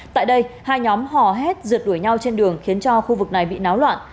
tại đây hai nhóm hò hét rượt đuổi nhau trên đường khiến cho khu vực này bị náo loạn